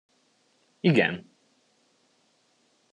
Igen!